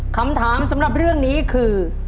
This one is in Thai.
คำถามสำหรับเรื่องนี้คือ